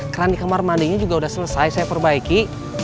kerani kemar mandinya juga udah selesai saya perbaiki